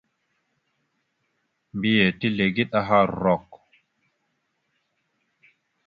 Mbiyez tezlegeɗ aha rrok.